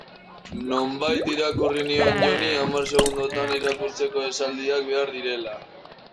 Nonbait irakurri nion Joni hamar segundotan irakurtzeko esaldiak behar direla.